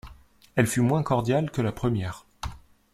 Elle fut moins cordiale que la première.